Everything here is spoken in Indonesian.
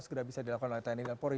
segera bisa dilakukan oleh tni dan polri